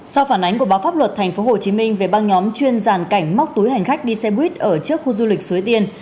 sau phản ánh của báo pháp luật tp hcm về băng nhóm chuyên giàn cảnh móc túi hành khách đi xe buýt ở trước khu du lịch suối tiên